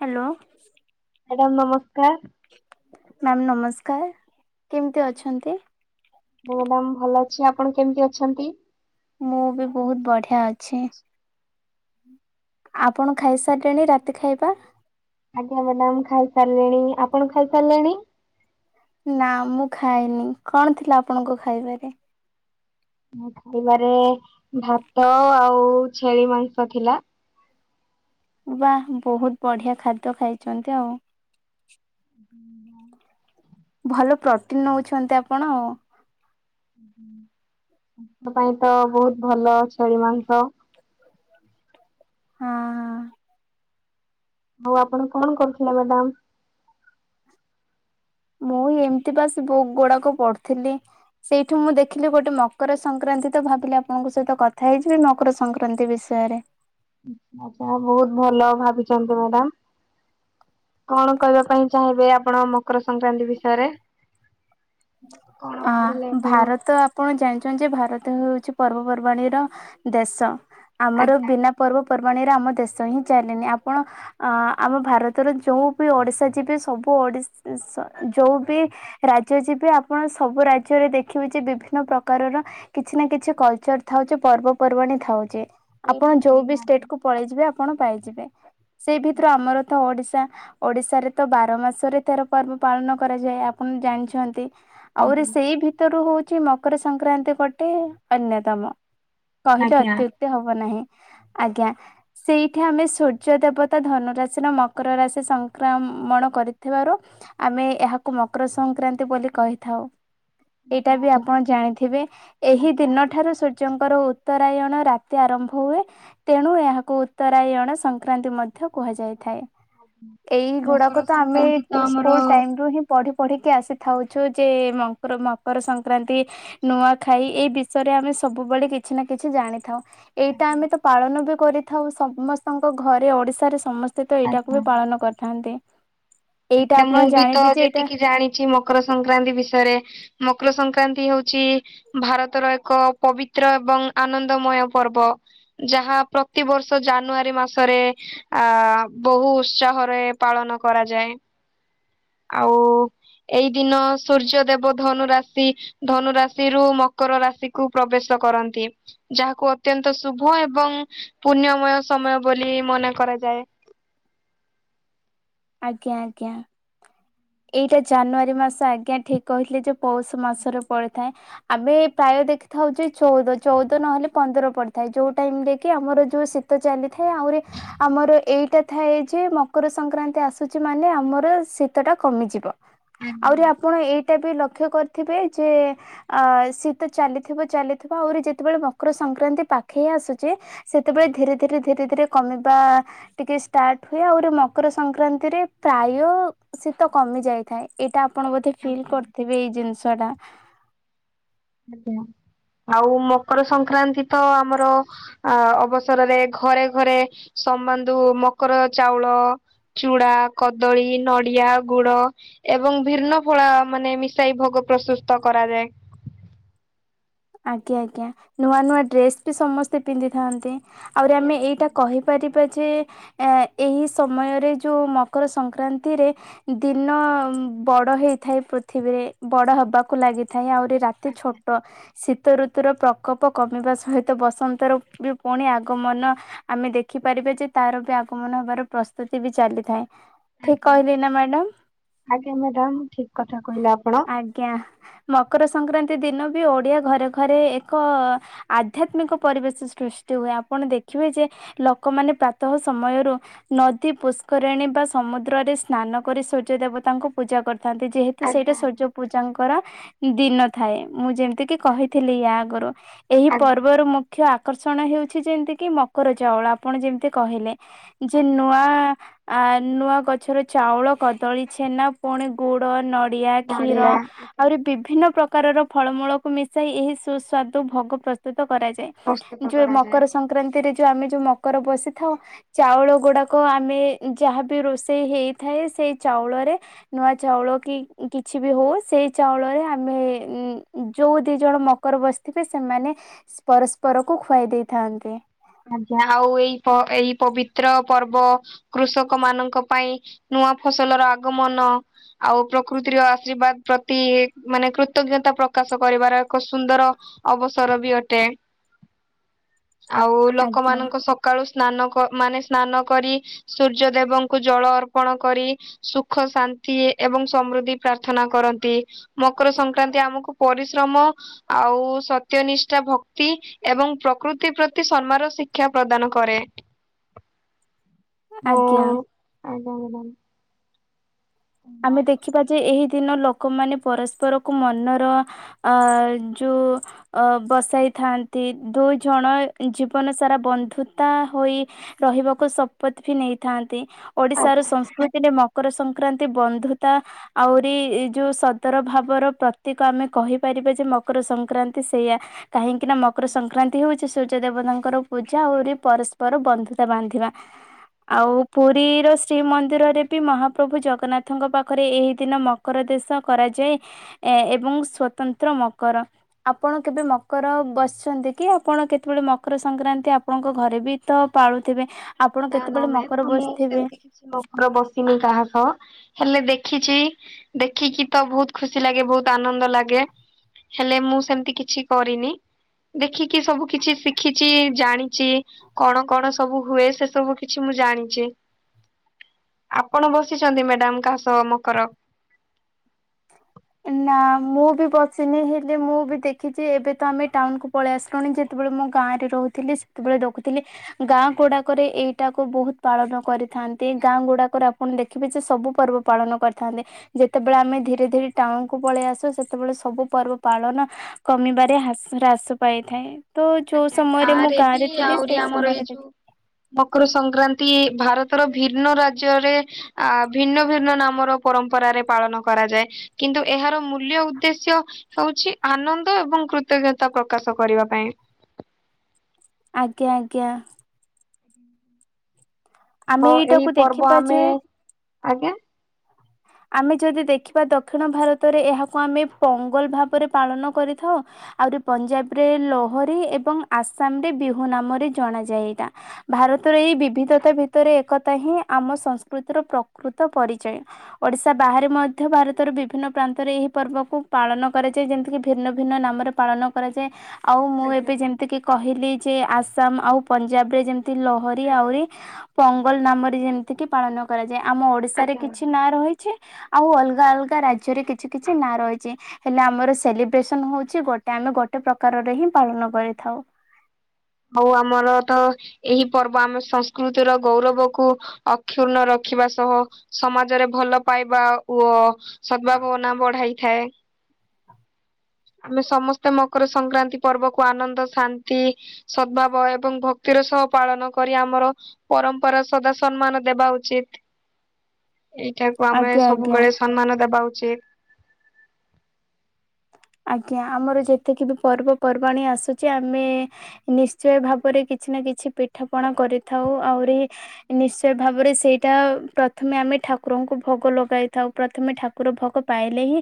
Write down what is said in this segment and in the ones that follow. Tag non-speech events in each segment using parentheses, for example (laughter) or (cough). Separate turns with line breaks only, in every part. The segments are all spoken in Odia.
ହ୍ୟାଲୋ।
ମ୍ୟାଡ଼ାମ ନମସ୍କାର।
ମ୍ୟାମ୍ ନମସ୍କାର। କେମିତି ଅଛନ୍ତି?
ମୁଁ ମ୍ୟାଡ଼ାମ୍ ଭଲ ଅଛି ଆପଣ କେମିତି ଅଛନ୍ତି?
ମୁଁ ବି ବହୁତ ବଢ଼ିଆ ଅଛି। ଆପଣ ଖାଇ ସାରିଲେଣି ରାତି ଖାଇବା।
ଆଜ୍ଞା ମ୍ୟାଡ଼ାମ୍ ଖାଇ ସାରିଲିଣି ଆପଣ ଖାଇ ସାରିଲେଣି?
ନା ମୁଁ ଖାଇନି କଣ ଥିଲା ଆପଣଙ୍କ ଖାଇବାରେ?
ମୁଁ ଖାଇବାରେ ଭାତ ଆଉ ଛେଳି ମାଂସ ଥିଲା।
ବାଃ ବହୁତ ବଢ଼ିଆ ଖାଦ୍ୟ ଖାଇଛନ୍ତି ଆଉ। ଭଲ ପ୍ରୋଟିନ ନେଉଛନ୍ତି ଆପଣ ଆଉ।
ବହୁତ ବହୁତ ଭଲ ଛେଳି ମାଂସ।
ହଁ ହଁ।
ବୋଉ ଆପଣ କଣ କରୁଥିଲା ବାଦାମ୍।
ମୁଁ ଏମିତି ବାସ୍‌ବୁକ୍ ଗୁଡ଼ାକ ପଢୁଥିଲି ସେଇଠୁ ମୁଁ ଦେଖିଲି ଗୋଟେ ମକର ସଂକ୍ରା ଏମିତି ତ ଭାବିଲେ ଆପଣଙ୍କ ସହିତ କଥା ହେଇଯିବି ମକର ସଂକ୍ରାନ୍ତି ବିଷୟରେ।
ଆପଣ ବହୁତ ଭଲ ଭାବିଛନ୍ତି ମ୍ୟାଡ଼ାମ୍। କଣ କହିବା ପାଇଁ ଚାହିଁବେ ଆପଣ ମକର ସଂକ୍ରାନ୍ତି ବିଷୟରେ? କଣ ପଢିଲେ
ହଁ
ଆପଣ
ଭାରତ ଆପଣ ଜାଣିଛନ୍ତି ଯେ ଭାରତ। ତି ହୋଉଛି ପର୍ବପର୍ବାଣୀର ଦେଶ ଆମର
ଆଜ୍ଞା
ବିନା ପର୍ବ। ପର୍ବାଣି ରେ ଆମ ଦେଶ ହିଁ ଚାଲେନି ଆପଣ ଆମ ଭାରତର ଯୋଉ ବି ଓଡିଶା ଯିବେ ସବୁ ଓଡ଼ିଶା ଯୋଉ ବି ରାଜ୍ୟ ଯି ଆପଣ ସବୁ ରାଜ୍ୟରେ ଦେଖିବେ ଯେ ବିଭିନ୍ନ ପ୍ରକାରର କିଛି ନା କିଛି କଲ୍‌ଚର୍ ଥାଉ ପର୍ବ କୁ ପର୍ବାଣି ଖାଉଛି। ଆପଣ
ନିହାତି
ଯୋଉ ବି
ନିହାତି
ଷ୍ଟେଟ କୁ ପଳେଇଯିବେ ଆପଣ ପାଇଯିବେ ସେଇ ଭିତରୁ ଆମର ତ ଓଡିଶ୍ ତା ଓଡ଼ିଶାରେ ତ ବାର ମାସରେ ତେର ପର୍ବ ପାଳନ କରାଯାଏ ଆପଣ ଜାଣିଛନ୍ତି। ଆହୁରି
ଆଜ୍ଞା
ସେଇ ଭିତରୁ ହେଉଛି ମକର ସଂକ୍ରାନ୍ତି ଗୋଟେ ଅନ୍ୟତମ। କହିଲେ
ଆଜ୍ଞା
ଅତ୍ୟୁକ୍ତି ହବ ନାହିଁ। ଆଜ୍ଞା ସେଇଠି ଆମେ ସୂର୍ଯ୍ୟ ଦେବତା ଧନୁ ରାଶିର ମକର ରାଶି ସଂକ୍ରାମ୍ ମଣ କରିଥିବାରୁ ଆମେ ଏହାକୁ ମକର ସଂକ୍ରାନ୍ତି ବୋଲି କହିଥାଉ ଏଇଟା ବି
ଆଜ୍ଞା
ଆପଣ ଜାଣିଥିବେ ଏହି
ଆଜ୍ଞା
ଦିନ ଠାରୁ ସୂର୍ଯ୍ୟ ରାଜଙ୍କର ଉତ୍ତରାୟଣ ରାତି ଆରମ୍ଭ ହୁଏ ତେଣୁ ଏହାକୁ ଉତ୍ତରାୟଣ ସଂକ୍ରାନ୍ତି ମଧ୍ୟ ମଧ୍ୟ କୁହାଯାଇଥାଏ ଏଇ ଗୁଡ଼ାକ
ମକର
ତ ଆମେ
ସଂକ୍ରାନ୍ତି ତ
ସ୍କୁଲ
ଆମର
ଟାଇମ୍ ରୁ ହିଁ ପଢି ପଢ଼ି କି ଆସିଥାଉ। ଯେ ମ ମକର ସଂକ୍ରାନ୍ତି ନୂଆ ଖାଇ ଏଇ ବିଷୟରେ ଆମେ ସବୁବେଳେ କିଛି ନା କିଛି ଜାଣିଥାଉ
ଆଜ୍ଞା
ଏଇଟା ଆମେ ତ ପାଳନ ବି କରିଥାଉ ସମସ୍ତଙ୍କ ଘରେ ଓଡ଼ିଶା ରେ ସମସ୍ତ ସେ ତ ଏଇଟାକୁ
ଆଜ୍ଞା।
ବି ପାଳନ କରିଥାନ୍ତି। ଏଇଟା
ଆଜ୍ଞା
ଆପଣ
ମୁଁ ବି ତ
ଜାଣିବେ ଯେ ଏଇଟା
ଯେତିକି ଜାଣିଛି ମକର ସଂକ୍ରା ଯାନ୍ତି ବିଷୟରେ ମକର ସଂକ୍ରାନ୍ତି ହୋଉଛି ଭାରତର ଏକ ପବିତ୍ର ଏବଂ ଆ ଆନନ୍ଦମୟ ପର୍ବ ଯାହା ପ୍ରତିବର୍ଷ ଜାନୁଆରୀ ମାସରେ ଆ ବହୁ ଉତ୍ସାହରେ ପାଳନ କରାଯାଏ। ଆଉ ଏଇ ଦିନ ସୂର୍ଯ୍ୟ ଦେବ ଧନୁ ରାଶି ଧନୁ ରାଶିରୁୁ ମ କର ରାଶିକୁ ପ୍ରବେଶ କରନ୍ତି ଯାହାକୁ ଅତ୍ୟନ୍ତ ଶୁଭ ଏବଂ ପୁଣ୍ୟମୟ ସମ୍ପ ମୟ ବୋଲି ମନେ କରାଯାଏ।
ଆଜ୍ଞା ଆଜ୍ଞା। ଏଇଟା ଜାନୁଆରୀ ମାସ ଆଜ୍ଞା ଠିକ୍ କହିଥିଲେ ଯେ ପୌଷ ମାସରେ ପଡିଥାଏ। ଆମେ ପ୍ରାୟ ଦେଖିଥାଉଚେ ଚଉଦ, ଚଉଦ ନହେଲେ ପନ୍ଦର ପଡିଥାଏ। ଯୋଉ ଟାଇମ୍‌ରେ କି ଆମର ଯୋଉ ଶୀତ ଚାଲି ଥାଏ, ଆହୁରି ଆମର ଏଇଟା କଥା ଏଇ ଯେ ମକର ସଂକ୍ରାନ୍ତି ଆସୁଛି ମାନେ ଆମର ଶୀତ ଟା କମିଯିବ। ଆହୁରି ଆପଣ ଏଇଟା ବି ଲ ଲକ୍ଷ୍ୟ କରିଥିବେ ଯେ, ଆ ଶୀତ ଚାଲିଥିବ ଚାଲିଥିବ ଆହୁରି ଯେତେବେଳେ ମକର ସଂକ୍ରାନ୍ତି ପା ପାଖେଇ ଆସୁଛେ, ସେତେବେଳେ ଧୀରେ ଧୀରେ ଧୀରେ ଧୀରେ କମିବା ଟିକେ ଷ୍ଟାର୍ଟ ହୁଏ ଆଉରି ମ ମକର ସଂକ୍ରାନ୍ତିରେ ପ୍ରାୟ ସେ ତ କମି ଯାଇଥାଏ। ଏଇଟା ଆପଣ ବୋଧେ
ଆଜ୍ଞା
ଫିଲ୍ କରିଥିବେ ଏଇ ଜିନିଷ ଟା।
ଆଜ୍ଞା। ଆଉ ମକର ସଂକ୍ରାନ୍ତି ତ ଆମର ଅ ଅବସରରେ ଘରେ ଘରେ ସମ୍ବାଧୁ ମକର ଚାଉଳ ଚୁଡା, କଦଳୀ, ନଡ଼ିଆ, ଗୁଡ଼ ଏବଂ ଭିନ୍ନ ଫଳ ମାନେ ମିଶାଇ ଭୋଗ ପ୍ରସ୍ତୁତ କରାଯାଏ।
ଆଜ୍ଞା ଆଜ୍ଞା। ନୂଆ ନୂଆ ଡ୍ରେସ ବି ସମସ୍ତେ ପିନ୍ଧିଥାନ୍ତି। ଆହୁରି ଆମେ ଏଇଟା
ଆଜ୍ଞା
କହିପାରି ଯେ ଏ-ଏହି ସମୟରେ ଯୋଉ ମକର ସଂକ୍ରାନ୍ତିରେ ଦିନ ବଡ଼ ହେଇଥାଏ ପୃଥିବୀରେ, ବଡ଼ ହବାକୁ ଲାଗିଥାଏ ଆହୁରି ରାତି ଛୋଟ ଶୀତଋତୁର ପ୍ରକୋପ କମିବା ସହିତ ବସନ୍ତର ବି ପୁଣି ଆଗମନ ଆମେ ଦେଖି ଦେଖିପାରିବେ ଯେ, ତାର ବି ଆଗମନ ହେବାର ପ୍ରସ୍ତୁତି ବି ଚାଲିଥାଏ। ଠିକ୍
ଆଜ୍ଞା।
କହିଲି ନା ମ୍ୟାଡାମ?
ଆଜ୍ଞା ମ୍ୟାଡାମ ଠିକ କଥା କହିଲେ ଆପଣ
ଆଜ୍ଞା। ମକର ସଂକ୍ରାନ୍ତି ଦିନ ବି ଓଡିଆ ଘରେ ଘରେ ଏକ ଆଧ୍ୟାତ୍ମିକ ପରିବେଶ ସୃଷ୍ଟି ହୁଏ। ଆପଣ ଦେଖିବେ ଯେ ଲ ଲୋକମାନେ ପ୍ରାତଃ ସମୟରୁ, ନଦୀ ପୁଷ୍କରିଣୀ ବା ସମୁଦ୍ରରେ ସ୍ନାନ କରି ସୂର୍ଯ୍ୟ ଦେବ ତାଙ୍କୁ ପୂଜା କରିଥାନ୍ତି, ଯେହେତୁ ସେଇଟା ସୂର୍ଯ୍ୟ ପୂଜାଙ୍କର ଦିନ ଥାଏ। ମୁଁ ଯେମତି କହିଥିଲି ୟା ଆଗରୁ। ଏହି ପର୍ବରୁ ମୁଁ ମୁଖ୍ୟ ଆକର୍ଷଣ ହେଉଛି ଯେମତି କିି ମକର ଚାଉଳ, ଆପଣ ଯେମତି କହିଲେ। ଯେ ନୂଆ ଆ ନୂଆ ଗଛର ଚାଉଳ, କଦଳୀ, ଛେନା ପୁଣି ଗୁଡ଼ ନ ନଡ଼ିଆ, କ୍ଷୀର ଆଉରି ବିଭିନ୍ନ ପ୍ରକାରର ଫଳମୂଳ କୁ ମିଶାଇ ଏହି ସୁସ୍ୱାଦୁ ଭୋଗ ପ୍ରସ୍ତୁତ ତ କରାଯାଏ। ଯୋଉ ମକର ସଂକ୍ରାନ୍ତିରେ ଯୋଉ ଆମେ ଯୋଉ ମକର ବସିଥାଉ ଚାଉଳ ଗୁଡାକ ଆମେ ଯାହାବି ରୋଷେଇ ହେଇଥାଏ ସେଇ ଚାଉଳରେ ନୂଆ ଚାଉଳ ପକେଇ କିଛି ବି ହଉ ସେଇ ଚାଉଳରେ ଆମେ ଏ ଉଁ ଯୋଉ ଦିଜଣ ମକର ବସିଥିବେ ସେମାନେ ପରସ୍ପରକୁ ଖୁଆଇ ଦେଇଥାନ୍ତି।
ଆଜ୍ଞା। ଆଉ ଏଇ ପ ଏଇ ପବିତ୍ର ପର୍ବ କୃଷକ ମାନଙ୍କ ପାଇଁ ନୂ ନୂଆ ଫସଲର ଆଗମନ ଆଉ ପ୍ରକୃତିର ଆଶୀର୍ବାଦ ପ୍ରତି ମାନେ କୃତଜ୍ଞତା ପ୍ରକାଶ କରିବାର ଏକ ସୁନ୍ଦର ଅବସର ବି ଅଟେ।
(inaudible)
ଆଉ
ଆଜ୍ଞା
ଲୋକମାନଙ୍କ ସକାଳୁ ସ୍ନାନ କ ମାନେ ସ୍ନାନ କରି ସୂର୍ଯ୍ୟଦେବଙ୍କୁ ଜଳ ଅର୍ପଣ କରି ସୁଖ ଶାନ୍ତ ନ୍ତି ଏବଂ ସମୃଦ୍ଧି ପ୍ରାର୍ଥନା କରନ୍ତି। ମକର ସଂକ୍ରାନ୍ତି ଆମକୁ ପରିଶ୍ରମ ଆ ଆଉ ସତ୍ୟନିଷ୍ଠା ଭକ୍ତି ଏବଂ ପ୍ରକୃତି ପ୍ରତି ସନ୍ମାର ଶିକ୍ଷା ପ୍ରଦାନ କରେ।
ଆଜ୍ଞା।
ହଁ (unintelligible)
ଆମେ ଦେଖିବା ଯେ ଏହି ଦିନ ଲୋ ଲୋକମାନେ ପରସ୍ପରକୁ ମନର ଆ ଯୋଉ ଅ ବସାଇଥାଆନ୍ତି ନ୍ତି। ଦୁଇ ଜଣ ଜୀବନ ସାରା ବନ୍ଧୁତା ହୋଇ ରହିବାକୁ ଶପଥ ବି ନେଇଥାନ୍ତି। ଓଡିଶାର ସଂସ୍କୃତିରେ ମକର ସଂକ୍ରାନ୍ ତି ବନ୍ଧୁତା ଆହୁରି ଯୋଉ ସଦର ଭାବର ପ୍ରତୀକ ଆମେ କହିପାରିବା ଯେ ମକର ସଂକ୍ରାନ୍ତି ସେଇୟା କାହିଁକି ନା ମକର ସଂକ୍ରାନ୍ତି ହଉଛି ସୂର୍ଯ୍ୟ ଦେବତାଙ୍କର ପୂଜା ଆହୁରି ପରିସ୍ ପର ବନ୍ଧୁତା ବାନ୍ଧିବା ଆଉ ପୁରୀ ର ଶ୍ରୀମନ୍ଦିରରେ ବି ମହାପ୍ରଭୁ ଜଗ ନାଥଙ୍କ ପାଖରେ ଏହି ଦିନ ମକର ଦେଶ କରାଯାଏ ଏ ଏବଂ ସ୍ଵତନ୍ତ୍ର ମକର ଆପଣ କେବେ ମକର ବସିଛନ୍ତି କି ଆପଣ କେତେବେଳେ ମକର ସଂକ୍ରାନ୍ତି ଆପଣଙ୍କ ଘରେ ବି ତ ପାଳୁଥିବେ ଆପଣ
ନା ନା
କେତେବେଳେ ମକର
ମ୍ୟାମ୍ ମୁଁ
ବସିଥିବେ।
ସେମିତି କିଛି ମକର ବସିନି କାହା ସହ ହେଲେ ଦେଖିଛି ଦେଖିକି ତ ବହୁତ ଖୁସି ଲାଗେ ବହୁତ ଆନନ୍ଦ ଲାଗେ। ହେଲେ ମୁଁ ସେମିତି କିଛି କରିନି। ଦେଖିକି ସବୁ କିଛି ଶିଖିଛି ଜାଣିଛି କଣ କଣ ସବୁ ହୁଏ ସେ ସବୁ କିଛି ମୁଁ ଜାଣିଛି। ଆପଣ ବସିଛନ୍ତି ମ୍ୟାଡାମ କାହା ସହ ମକର?
ହ ନା ମୁଁ ବି ବସିିନି ହେଲେ ମୁଁ ବି ଦେଖିଛି ଏବେ ତ ଆମେ ଟାଉନକୁୁ ପଳେଇ ଆସିଲୁଣି ଯେତେବେଳେ ଆମ ଗାଁ ରେ ରହୁଥିଲି ସେତେବେଳେ ଦେଖୁଥିଲି ଗାଁ ଗୁଡାକରେ ଏଇଟାକୁ ବହୁତ ପାଳନ କରି ଥାନ୍ତି। ଗାଁ ଗୁଡାକରେ ଆପଣ ଦେଖିବେ ଯେ ସବୁ ପର୍ବ ପାଳନ କରିଥାନ୍ତି ଯେତେବେଳେ
ଆଜ୍ଞା
ଆମେ ଧି ଟାଉଣକୁୁ ପଳେଇ ଆସୁ ସେତେବେଳେ ସବୁ ପର୍ବ ପାଳନ କମିବାରେ ହାର୍ ରେ ହ୍ରାସ ପାଇଥାଏ। ତ ଯୋଉ
ଆଜ୍ଞା
ସମୟରେ ମୁଁ ଗାଁ
ବି
ରେ ଥିଲି
ଆହୁରି
ସେଇ
ଆମର ଏଇ
ସମୟରେ ଦେଖ
ଯୋଉ ମକର ସଂକ୍ରାନ୍ତି ଭାରତ ର ଭିନ୍ନ ରାଜ୍ୟରେ ଅ ଭିନ୍ନ ଭିନ୍ନ ନାମର ପରମ୍ପରାରେ ପାଳନ କରାଯାଏ କି ନ୍ତୁ ଏହାର ମୂଲ୍ୟ ଉଦ୍ଦେଶ୍ୟ ହଉଛି ଆନନ୍ଦ ଏବଂ କୃତଜ୍ଞତା ପ୍ରକାଶ କରିବା ପାଇଁ।
ଆଜ୍ଞା ଆଜ୍ଞା। ଆମେ
ତ ଏହି
ଏଇଟାକୁ
ପର୍ବ
ଦେଖିବା
ଆମେ
ଯେ
ଆଜ୍ଞା
ଆମେ ଯଦି ଦେଖିବା ଦକ୍ଷିଣ ଭାରତରେ ଏହାକୁ ଆମେ ପୋଙ୍ଗଲ ଭାବରେ ପାଳନ କରିଥାଉ ଆହୁରି ପଞ୍ଜାବରେ ଲହରୀ ଏବଂ ଆସାମ ରେ ବିହୁ ନାମରେ ଜଣା ଯାଇତା। ଭାରତର ଏଇ ବିବିଧତା ଭିତରେ ଏକତା ହିଁ ଆମ ସଂସ୍କୃତିର ପ୍ରକୃତ ପରିଚୟ। ଓଡିଶା ବାହାରେ ମଧ୍ୟ ଭାରତର ବିଭିନ୍ନ ପ୍ରାନ୍ତରେ ଏହି ପର୍ବକୁ ପାଳନ କରାଯାଏ ଯେମିତିକି ଭିନ୍ନ ଭିନ୍ନ ନାମ ପାଳନ କରାଯାଏ ଆଉ ମୁଁ ଏବେ ଯେମିତି କି କହିଲି ଯେ ଆସାମ ଆଉ ପଞ୍ଜାବରେ ଯେମ ଲହରୀ ଆହୁରି ପୋଙ୍ଗଲ ନାମରେ ଯେମିତି କି ପାଳନ କରାଯାଏ। ଆମ ଓଡିଶାରେ କିଛି ନାଁ ରହିଛି ଆଉ ଅଲଗା ଅଲଗା ରାଜ୍ୟରେ କିଛି କିଛି ନାଁ ରହି ଚି ହେଲେ ଆମର ସେଲିବ୍ରେଶ ନ ହଉଛି ଗୋଟେ ଆମେ ଗୋଟେ ପ୍ରକାରରେ ହିଁ ପାଳନ କରିଥାଉ।
ଆଉ ଆମର ତ ଏହି ପର୍ବ ଆମ ସଂସ୍କୃତିର ଗୌରବ କୁ ଅକ୍ଷୁର୍ଣ୍ଣ ର ରଖିବା ସହ ସମାଜରେ ଭଲ ପାଇବା ଓ ସଦ୍ଭାବନା ବଢାଇଥାଏ।
ହଁ
ଆମେ ସମସ୍ତେ ମକର ସଂକ୍ରାନ୍ତି ପର୍ବକୁ ଆନନ୍ଦ ଶାନ୍ତି ସଦ୍ଭାବ ଏବଂ ଭକ୍ତିର ସହ ପାଳନ କରି ଆମର ପରମ୍ପରା ସଦା ସମ୍ମାନ ଦେବା ଉଚିତ। ଏଇଟାକୁ ଆମେ
ଆଜ୍ଞା ଆଜ୍ଞା।
ସବୁବେଳେ ସମ୍ମାନ ଦବା ଉଚିତ।
ଆଜ୍ଞା ଆମର ଯେତିକି ବି ପର୍ବପର୍ବାଣି ଆସୁଛି ଆମେ ନିଶ୍ଚୟ ଭାବରେ କିଛି ନା କିଛି ପିଠା ପଣା କରିଥାଉ ଆହୁରି ନିଶ୍ଚୟ ଭାବରେ ସେଇଟା ପ୍ରଥମେ ଆମେ ଠା କୁରଙ୍କୁ ଭୋଗ ଲଗାଇଥାଉ ପ୍ରଥମେ ଠାକୁର ଭୋଗ ପାଇଲେ ହିଁ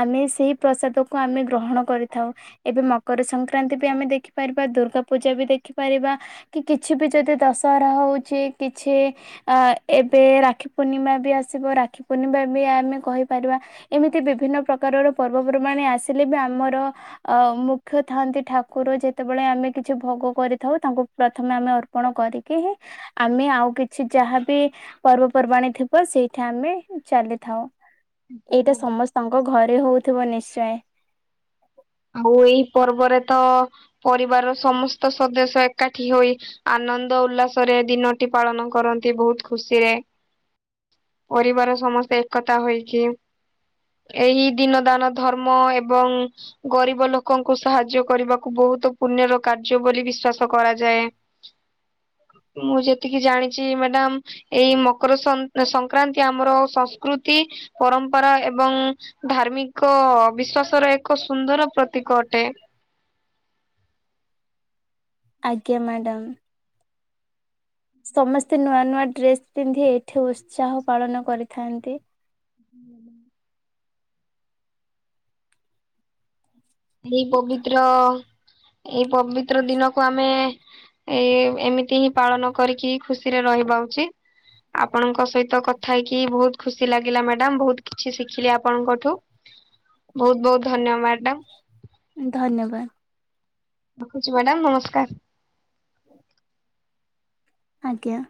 ଆମେ ସେଇ ପ୍ରସାଦ କୁ ଆମେ ଗ୍ରହଣ କରିଥାଉ ଏବେ ମକର ସଂକ୍ରାନ୍ତି ବି ଆମେ ଦେଖିପାରିବା ଦୁର୍ଗା ପୂଜା ବି ଦେଖିପାରିବା। କି କିଛି ବି ଯଦି ଦଶହରା ହଉଛି କିଛି ଅ ଏବେ ରାଖି ପୂର୍ଣ୍ଣିମା ଆସିବ ରାକ୍ଷୀ ପୂର୍ଣ୍ଣିମା ବି ଆମେ କହିପାରିବା ଏମିତି ବିଭିନ୍ନ ପ୍ରକାରର ପର୍ବପର୍ବାଣି ଆସି ଲେ ବି ଆମର ମୁଖ୍ୟ ଥାନ୍ତି ଠାକୁର ଯେତେବେଳେ ଆମେ କିଛି ଭୋଗ କରିଥାଉ ତାଙ୍କୁ ପ୍ରଥମେ ଆମେ ଅର୍ପଣ କରିକି ହିଁ ଆମେ ଆଉ କିଛି ଯାହାବି ପର୍ବପର୍ବାଣୀ ଥିବ ସେଇଠା ଆମେ ଚାଲିଥାଉ ଏଇଟା ସମସ୍ତଙ୍କ ଘରେ ହଉଥିବ ନିଶ୍ଚୟ।
ଆଉ ଏଇ ପର୍ବରେ ତ ପରିବାରର ସମସ୍ତ ସଦସ୍ୟ ଏକାଠି ହୋଇ ଆନ୍ ଆନନ୍ଦ ଉଲ୍ଲାସରେ ଦିନଟି ପାଳନ କରନ୍ତି ବହୁତ ଖୁସିରେ।
ଁ
ପରିବାର ସମସ୍ତେ ଏକତା ହୋଇକି ଏହି ଦିନ ଦାନ ଧର୍ମ ଏବଂ ଗରିବ ଲୋକଙ୍କୁ ସାହାଯ୍ୟ କରିବାକୁ ବୋହୁତ ପୂର୍ଣ୍ୟର କାର୍ଯ୍ୟ ବୋଲି ବିଶ୍ଵାସ କରାଯାଏ। ମୁଁ ଯେତିକି ଜାଣିଚି ମ୍ୟାଡାମ ଏଇ ସଂ ସଂକ୍ରାନ୍ତି ସନ ସଂକ୍ରାନ୍ତି ଆମର ସଂସ୍କୃ କୃତି ପରମ୍ପରା ଏବଂ ଧାର୍ମିକ ବିଶ୍ଵାସର ଏକ ସୁନ୍ଦର ପ୍ରତୀକ ଅଟେ।
ଆଜ୍ଞା ମ୍ୟାଡ଼ାମ। ସମସ୍ତେ ନୂଆ ନୂଆ ଡ୍ରେସ ପିନ୍ଧି ଏଠି ଉତ୍ସାହ ପାଳନ କରିଥାନ୍ତି।
ହୁଁ ମ୍ୟାଡ଼ାମ। ଏଇ ପବିତ୍ର ଏଇ ପବିତ୍ର ଦିନକୁ ଆମେ ଏ ଏମିତି ହିଁ ପାଳନ କରିକି ଖୁସିରେ ରହିବା ଉଚିତ। ଆପଣଙ୍କ ସହିତ କଥା ହେଇକି ବୋହୁତ ଖୁସି ଲାଗିଲା ମ୍ୟାଡ଼ାମ ବହୁତ କିଛି ଶିଖିଲି ଆପଣଙ୍କଠୁ। ବୋହୁତ ବୋହୁତ ଧନ୍ୟ ମ୍ୟାଡ଼ାମ।
ଧନ୍ୟବାଦ।
ରଖୁଚି ମ୍ୟାଡ଼ାମ ନମସ୍କାର।
ଆଜ୍ଞା।